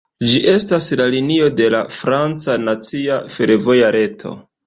Ĝi estas la linio de la franca nacia fervoja reto.